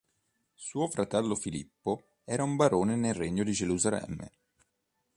Suo fratello Filippo era un barone nel Regno di Gerusalemme.